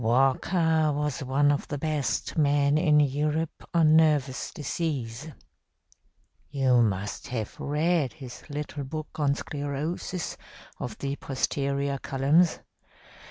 "Walker was one of the best men in Europe on nervous disease. You must have read his little book on sclerosis of the posterior columns.